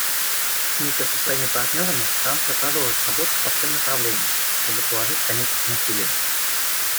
Вместе со своими партнерами Франция продолжит работу по всем направлениям, чтобы положить конец насилию.